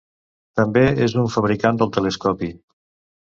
També és un fabricant del telescopi.